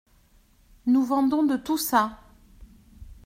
Nous vendons de tout ça.